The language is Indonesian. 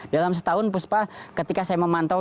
dalam setahun puspa ketika saya memantau